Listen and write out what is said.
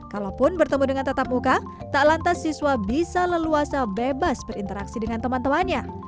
kalaupun bertemu dengan tetap muka tak lantas siswa bisa leluasa bebas berinteraksi dengan teman temannya